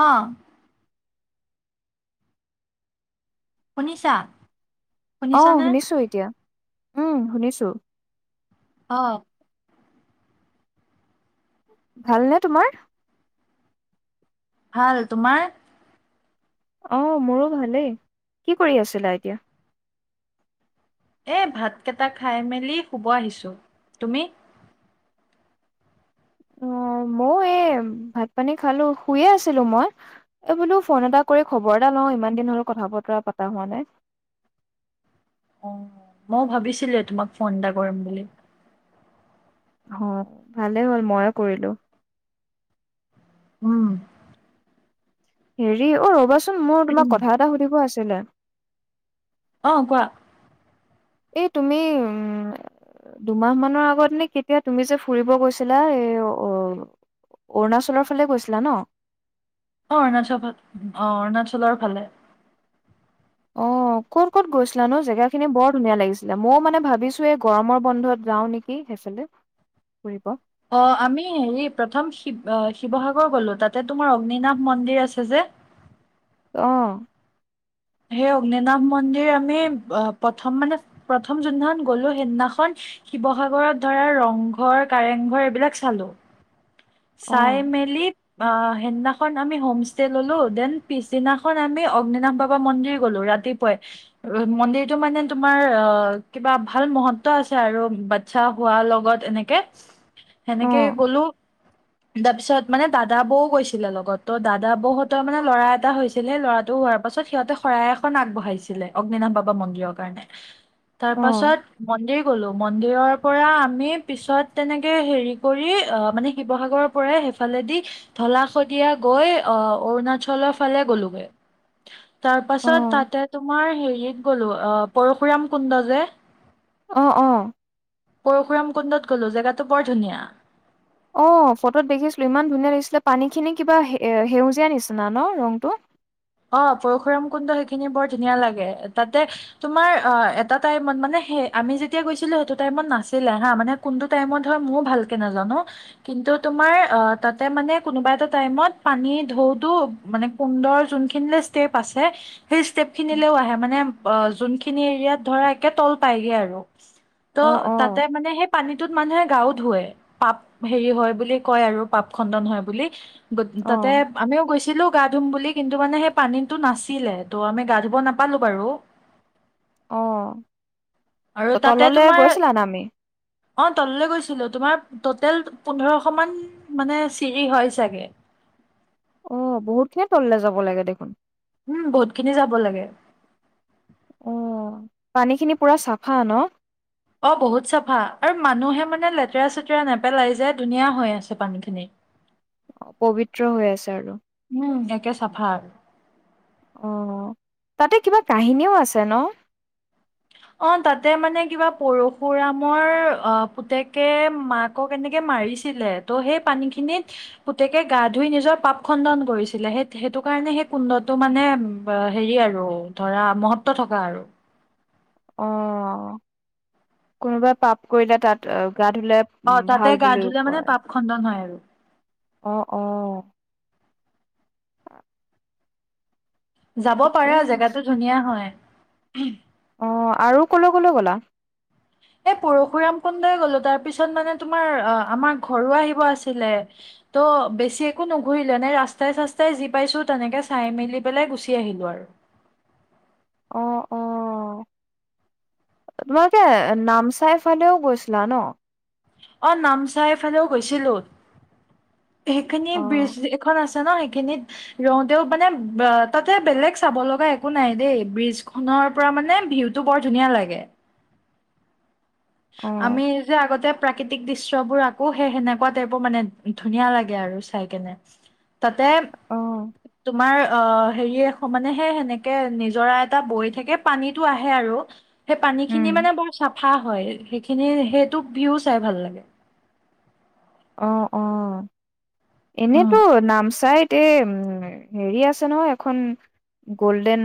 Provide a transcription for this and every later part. অ। শুনিছা? অ শুনিছানে? শুনিছো এতিয়া। উম শুনিছো। অ। ভালনে তোমাৰ? ভাল তোমাৰ? অ মোৰো ভালেই কি কৰি আছিলা এতিয়া? এই ভাতকেটা খাই মেলি শোৱ আহিছোঁ তুমি? অ ময়ও এই ভাত পানী খালো শোয়ে আছিলো মই এই বোলো ফোন এটা কৰি খবৰ এটা লওঁ ইমান দিন হল কথা বতৰা পতা হোৱা নাই। অ ময় ভাবিছিলোয়ে তোমাক ফোন এটা কৰিম বুলি। অ ভালেই হ'ল ময়ো কৰিলো। উম। হেৰি অ ৰ'বাচোন? মোৰ তোমাক কথা এটা সুধিব আছে? [unintelligible] অ কোৱা? এই তুমি উম দুমাহমানৰ আগত নে কেতিয়া তুমি যে ফুৰিব গৈছিলা এই অৰুণাচলৰ ফালে গৈছিলা ন অ অৰুণাচল অ অৰুণাচলৰ ফালে অ ক'ত ক'ত গৈছিলানো জেগা খিনি বৰ ধুনীয়া লাগিছিলে মও মানে ভাবিছো এই গৰমৰ বন্ধত যাওঁ নেকি সেইফালে ফুৰিব অ আমি হেৰি প্ৰথম শিৱ শিৱসাগৰ গলো তাতে তোমাৰ অগ্নিনাভ মন্দিৰ আছে যে আহ সেই অগ্নিনাভ মন্দিৰ আমি প্ৰথম মানে প্ৰথম যোনদিনাখন গ'লো সেইদিনাখন শিৱসাগৰত ধৰা ৰংঘৰ কাৰেংঘৰ এইবিলাক চালোঁ অ চাই মেলি আহ সেইদিনাখন আমি হোম ষ্টে ললো দেন পিছদিনাখন আমি অগ্নিনাভ বাবা মন্দিৰ গলো ৰাতিপুৱাই মন্দিৰটো মানে তোমাৰ আহ কিবা ভাল মহত্ব আছে আৰু বাচ্ছা হোৱাৰ লগত এনেকে অ সেনেকে গ'লো তাৰপিছত মানে দাদা বৌ গৈছিলে লগত ত' দাদা বৌহঁতৰ মানে ল'ৰা এটা হৈছিল ল'ৰাটো হোৱাৰ পাছত সিহঁতে শৰাই এখন আগবঢ়াইছিলে অগ্নিনাভ বাবা মন্দিৰৰ কাৰণে তাৰ অ পাছত মন্দিৰ গলো মন্দিৰৰ পৰা আমি পিছত তেনেকে হেৰি কৰি আহ মানে শিৱসাগৰৰ পৰাই সেইফালেদি ঢলা শদিয়া গৈ আহ অৰুণাচলৰ ফালে গ'লোগে তাৰ অ পাছত তাতে তোমাৰ হেৰিত গলো অ পৰশুৰাম কুণ্ড যে অ অ পৰশুৰাম কুণ্ডত গ'লো জেগাটো বৰ ধুনীয়া অ ফটোত দেখিছিলোঁ ইমান ধুনীয়া লাগিছিলে পানীখিনি কিবা সে সেউজীয়া নিচিনা ন ৰংটো অ পৰশুৰাম কুণ্ড সেইখিনি বৰ ধুনীয়া লাগে তাতে তোমাৰ অ এটা টাইমত মানে সেই আমি যেতিয়া গৈছিলো সেইটো টাইমত নাছিলে হা মানে কোনটো টাইমত হয় ময়ও ভালকে নাজানো কিন্তু তোমাৰ অ তাতে মানে কোনোবা এটা টাইমত পানী ঢৌ টো মানে কুণ্ডৰ যোন খিনিলে ষ্টেপ আছে হেই ষ্টেপ খিনিলৈও আহে মানে যোনখিনি এৰিয়াত ধৰা একে তল পাই গে আৰু অ ত' অ তাতে মানে সেই পানীটোত মানুহে গাও ধুৱে পাপ হেৰি হয় বুলি কয় আৰু পাপ খণ্ডন হয় বুলি অ তাতে আমিও গৈছিলো গা ধুম বুলি কিন্তু কিন্তু মানে সেই পানীটো নাছিলে ত' আমি গা ধুব নাপালোঁ বাৰু অ আৰু তাতে তললে তোমাৰ গৈছিলা নামি অ তললে গৈছিলো তোমাৰ টোটেল পোন্ধৰশ মান মানে চিৰি হয় চাগে অ বহুতখিনিয়ে তললে যাব লাগে দেখোন উম বহুত খিনি যাব লাগে অ পানীখিনি পুৰা চাফা ন অ বহুত চাফা আৰু মানুহে মানে লেতেৰা চেতেৰা নেপেলাই যে ধুনীয়া হৈ আছে পানীখিনি পবিত্ৰ হৈ আছে আৰু উম একে চাফা অ তাতে কিবা কাহিনীও আছে ন অ তাতে মানে কিবা পৰশুৰামৰ আহ পুতেকে মাকক এনেকে মাৰিছিলে ত' সেই পানীখিনিত পুতেকে গা ধুই নিজৰ পাপ খণ্ডন কৰিছিলে সেই সেইটো কাৰণে সেই কুণ্ডটো মানে হেৰি আৰু ধৰা মহত্ব থকা আৰু অ কোনোবাই পাপ কৰিলে তাত আ অ তাতে গা ধুলে মানে পাপ খণ্ডন হয় আৰু আহ আহ অ [inaudible] যাব পাৰা জেগাটো আছে। ধুনীয়া হয় [inaudible] অ আৰু কলৈ ক'লৈ গ'লা? এ পৰশুৰামকুন্দই গলো, তাৰ পিছত মানে তোমাৰ আহ আমাৰ ঘৰো আহিব আছিলে, ত' বেছি একো নুঘুৰিলে নে ৰাস্তাই চাস্তাই যি পাইছো তেনেকে চাই মেলি পেলাই গুচি আহিলো আৰু। অ অ তোমালোকে নামচাইফালেও গৈছিলা ন? অ নামচাইফালেও গৈছিলোঁ। সেইখিনি অ ব্ৰিজ এখন আছে। ন সেইখিনিত ৰওঁতেও মানে, ব তাতে বেলেগ চাব লগা একো নাই দেই, ব্ৰিজ খনৰ পৰা মানে ভিউতটো বৰ ধুনীয়া লাগে। অ আমি যে আগতে। প্ৰাকৃতিক দৃশ্য বোৰ আঁকো, সেই সেনেকুৱা টাইপৰ মানে ধুনীয়া লাগে আৰু চাই কেনে। তাতে অ তোমাৰ। অ হেৰি মানে, সেই সেনেকে নিজৰা এটা বৈ থাকে পানীতটো আহে আৰু। সেই পানীখিনি উম মানে বৰ চাপ। ফা হয়। সেইখিনি সেইটোক ভিউ চাই ভাল লাগে। অ অ উম এনেইটো নামচাইত। তে উ হেৰি আছে নহয় এখন গল্ডেন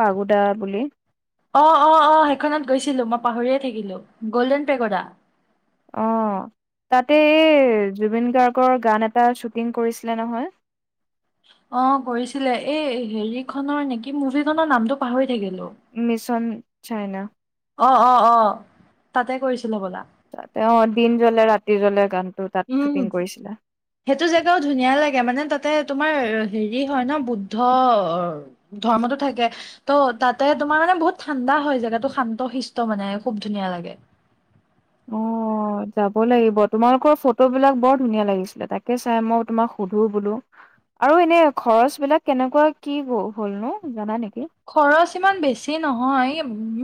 পাগুদা বুলি। অ অ অ সেইখনত গৈছিলোঁ মই পাহৰিয়ে থাকিলোঁ গল্ডেন পেগদা। অঁ তাতে এই জুবিন গাৰ্গৰ গান এটা শ্বুটিং কৰিছিলে নহয়। অ কৰিছিলে এই হেৰি খনৰ নেকি, মুভি খনৰ নামটো পাহৰি থাকিলো মিছন। চাইনা। অ অ অ তাতে কৰিছিলে ব'লা তাতে অঁ দিন জ্বলে ৰাতি জ্বলে গান। উম সেইটো জেগাও ধুনীয়া লাগে মানে তাতে। তোমাৰ হেৰি হয় ন বুদ্ধ ধৰ্মটো থাকে, ত' তাতে তোমাৰ মানে বহুত ঠাণ্ডা হয় জেগাতটো শান্ত শিষ্ট মানে খুব ধুনীয়া লাগে। অ যাব লাগিব তোমালোকৰ ফটো বিলাক বৰ ধুনীয়া লাগিছিলে, তাকে চাই মই তোমাক সুধো বোলো, আৰু এনে খৰচ বিলাক কেনেকুৱা কি হলনো জানা নেকি? খৰচ ইমান বেছি নহয়,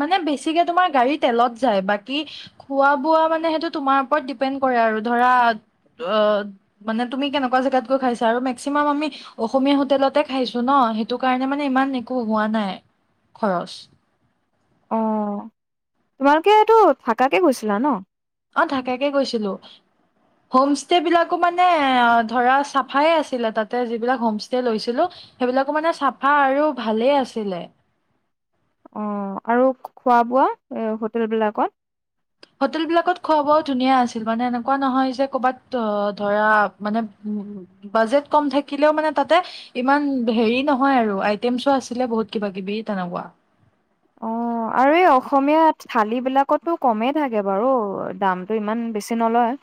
মানে বেছিকে তোমাৰ গাড়ী তেলত যায়, বাকি খোৱা বোৱা মানে সেইটো তোমাৰ ওপৰত ডিপেণ্ড কৰে আৰু ধৰা অ, মানে তুমি কেনেকুৱা জোগাত গৈ খাইছা আৰু মেক্সিমাম আমি অসমীয়া হোটেলতে খাইছো ন সেইটো কাৰণে মানে ইমান একো। পোৱা নাই খৰচ। অ তোমালোকে এইটো থাকাকে গৈছিলা ন? অ থাকাকে গৈ। হোম ষ্টে বিলাকো মানে ধৰা চাফাই আছিলে তাতে যিবিলাক হোম ষ্টে লৈছিলোঁ, সেইবিলাকো মানে চাফা আৰু ভালেই আছিলে। অ আৰু খোৱা বোৱা, এ হোটেল বিলাকত? হোটেল বিলাকত খুৱা বোৱাও ধুনীয়া আছিল, মানে এনেকুৱা নহয় যে ক'ৰবাত ধৰা, মানে বাজেট কম থাকিলেও মানে তাতে ইমান হেৰি নহয় আৰু আইটেমছো আছিলে বহুত কিবা কিবি তেনেকুৱা। অ আৰু এই অসমীয়া থালি বিলাকো কমেই থাকে বাৰু দামতটো ইমান বেছি নলয়,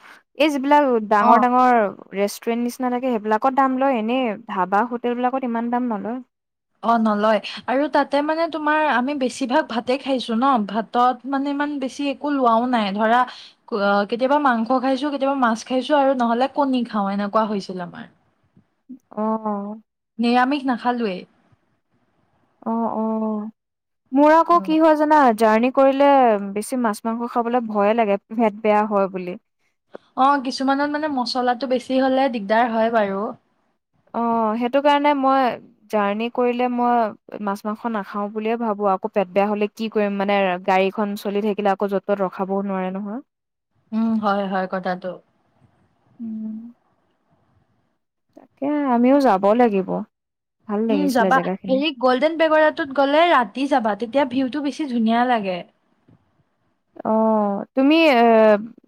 এই এইবাক অ ডাঙৰ ডাঙৰ ৰেষ্টুৰেন্ট নিচি। [unintelligible] সেইবিলাকত দাম লয় এনেই ধাবা হোটেল বিলাকত ইমান দাম নলয়। অ নলয়, আৰু তাতে মানে তোমাৰ আমি বেছিভাগ ভাতেই খাইছো ন, ভাতত মানে ইমান বেছি একো লোৱাও নাই, ধৰা কেতিয়াবা মাংস খাইছো কেতিয়াবা মাছ খাইছো আৰু নহ'লে কণী খাওঁ এনেকুৱা হৈছিল আমাৰ। অ অঁ নিৰামিষ নাখালোঁৱেই। আহ অ মোৰ আকৌ উম। কি হয় জানা? জাৰ্ণি কৰিলে বেছি মাছ মাংস খাবলে ভয়ে লাগে, পেট বেয়া হয় বুলি। অ কিছুমানত মানে মছলাটো বেছি হলে দিগদাৰ হয় বাৰু। অ সেইটো কাৰণে মই জাৰ্ণি কৰিলে মই মাছ মাংসখন নাখাও বুলিয়ে ভাবো আকৌ পেট বেয়া হলে কি কৰিম মানে গাড়ীখন চলি থাকিলে আকৌ য'ত ত'ত ৰখাবও নোৱাৰে নহয়। উম হয়, হয়, কথাটো। উম, তাকে আমিও যাব লাগিব। ভাল উম লাগিছিলে যাবা জেগাখিনি হেৰি গল্ডেন পেগডাটোত গ'লে ৰাতি যাবা দেই। এতিয়া ভিউটো বেছি ধুনীয়া লাগে। অ তুমি এ,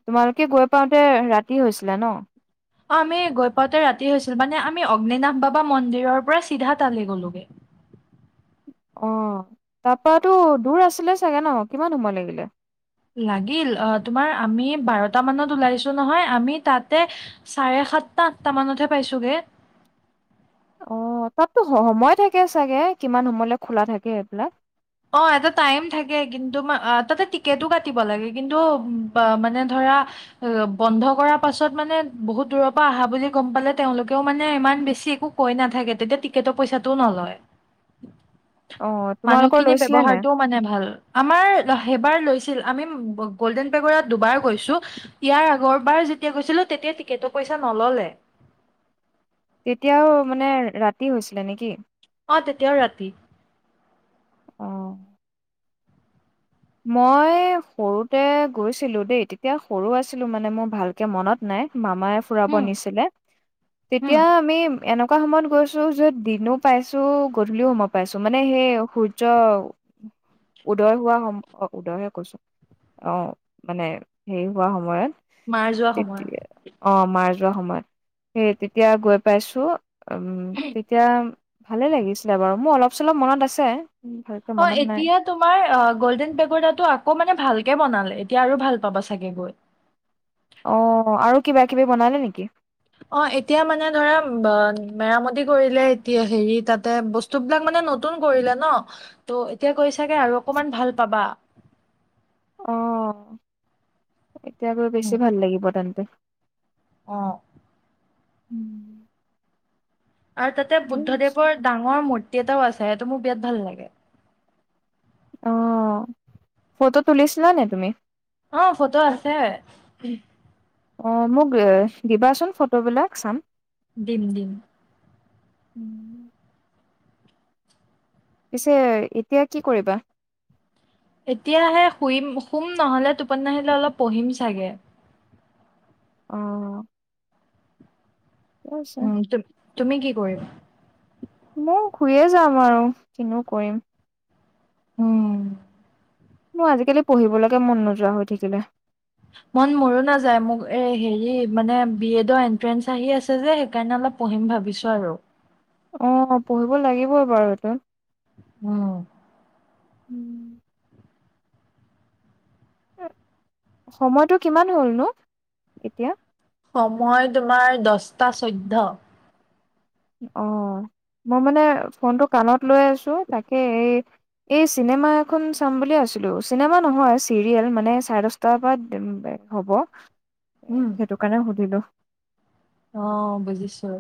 তোমালোকে গৈ পাওঁতে ৰাতি হৈছিলে ন? আমি গৈ পাওঁতে ৰাতি হৈছিলে, মানে আমি অগ্নিনাাথ বাবা মন্দিৰৰ পৰা চিধা তালি গ'লোগৈ। অ তাৰপৰাটো দূৰ আছিলে চাগে ন? কিমান সময় লাগিলে? লাগিল তোমাৰ আমি বাৰটা মানত ওলাইছোঁ নহয়, আমি তাতে চাৰে সাতটা আঠটা মানতহে পাইছগৈ। অ তাতো সময় থাকে চাগে কিমান সময়লে খোলা থাকে এইবিলাক। অ এটা টাইম থাকে, তাতে টিকটো কাটি লাগে কিন্তু মানে ধৰা বন্ধ কৰ পাছত মানে বহুত দূৰ পৰা অহা বুলি গম পালে তেওঁলোকে মানে ইমান বেি একো কৈ নাথেতিয়া টৰ পইচাটো নলয় অ' তোমালোকৰ খিনি লৈছিলে নাই ব্যৱহাৰটো মানে ভাল, আমাৰ সেইবাৰ লৈছিল আমি গল্ডেন পেগডাত দুবাৰ গৈছোঁ, ইয়াৰ আগৰবাৰ যেতিয়া গৈছিলোঁ টিকেটৰ পইছা নল'লে। তেতিয়াও মানে ৰাতি হৈছিলে, নেকি অ তেতিয়া ৰাতি অ মই সৰুতে গৈছিলোঁ, দেই তেতিয়া সৰু আছিলোঁ মানে, মোৰ ভালকে মনত নাই। মামাই ফুৰাব উম নিছিলে, উম তেতিয়া আমি এনেক একা সময়ত গৈছোঁ য'ত দিনো পাইছোঁ, গধূলিও সময় পাইছো মানে সেই সূৰ্য। উদয় হোৱা সময় অ উদয়হে কৈছোঁ, অ মানে হেৰি হোৱা সময়ত মাৰ যোৱা সময়ত তেতিয়া অ মাৰ্চ। যোৱা সময়ত সেই তেতিয়া গৈ পাইছোঁ। উম তেতিয়া ভালে লাগিছিলে বাৰু মোৰ অলপ চলপ মনত আছে ভালকে অ মনত নাই এতিয়া তোমাৰ গল্ডেন পেগ'ডা টো আকৌ মানে ভালকে বনালে, এতিয়া আৰু ভাল পাবা চাগে গৈ। অ' আৰু কিবা কিবি বনালে নেকি? অ এতিয়া মানে ধৰা মেৰামতি কৰিলে, এতিয়া হেৰি তাতে বস্তুবিলাক মানে নতুন কৰিলে ন ত' এতিয়া গৈ আৰু অকমান ভাল পাবা অ'হ। এতিয়া গৈ বেছি ভাল লাগিব, তাত গৈ। অঁ। উম। আৰু তাতে ঠিকে আছে। বুদ্ধদেৱৰ ডাঙৰ মূৰ্তি তি এটাও আছে, সেইটো মোৰ বিৰাট ভাল লাগে। অ ফ'টো তুলিছিলা নি তুমি? অ ফটো আছে অ মোক দিবাচোন ফটোবিলাক চাম ডিম ডিম [unintelligible] পিছে এতিয়া কি কৰিবা এতিয়াহে শুইম শুম নহ'লে টোপনি নাহিলে অলপ পঢ়িম চাগে অ ঠিকে আছে। উম ত তুমি কি কৰিবা মই শুইয়ে যাম আৰু কিনো কৰিম উম মোৰ আজিকালি পঢ়িবলৈকে মন নোযোৱা হৈ থাকিলে মন মোৰো নাযায় মোক হেৰি মানে বিএডৰ এন্ট্ৰেঞ্চ আহি আছে যে সেইকাৰণে অলপ পঢ়িম ভাবিছো আৰু অ পঢ়িব লাগিবই বাৰু হয়টো উম উম সময়টো কিমান হ'ল নো এতিয়া সময় তোমাৰ দহটা চৈধ্য অ মই মানে ফোনটো কাণত লৈ আছো তাকে এই এই চিনেমা এখন চাম বুলি আছিলো চিনেমা নহয় চিৰিয়েল মানে চাৰে দহটাৰ পৰা হ'ব উম সেইটো কাৰণে সুধিলো অ বুজিছো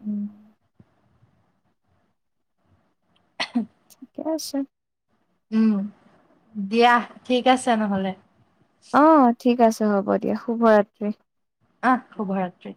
উম [unintelligible] ক আছে উম দিয়া ঠিক আছে নহলে অ ঠিক আছে হ'ব দিয়া শুভৰাত্ৰি আহ শুভ ৰাত্ৰি